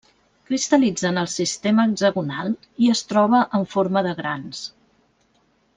Cristal·litza en el sistema hexagonal, i es troba en forma de grans.